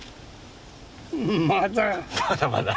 まだ。